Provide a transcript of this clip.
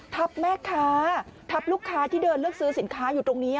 ทับแม่ค้าทับลูกค้าที่เดินเลือกซื้อสินค้าอยู่ตรงนี้